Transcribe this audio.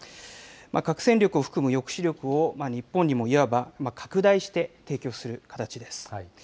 核戦力を含む抑止力を日本にもいわば拡大して提供する形です。